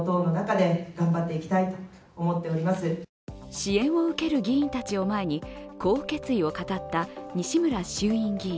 支援を受ける議員たちを前にこう決意を語った西村衆院議員。